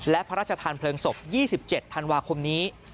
และพระราชทานเพลิงศพ๒๗ธันวาคมนี้